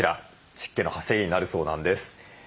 湿気の発生源になるそうなんです。